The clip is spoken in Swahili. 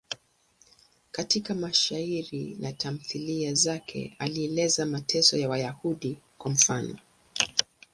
Katika mashairi na tamthiliya zake alieleza mateso ya Wayahudi, kwa mfano.